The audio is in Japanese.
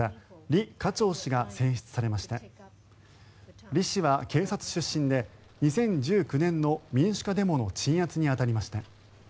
リ氏は警察出身で２０１９年の民主化デモの鎮圧に当たりました。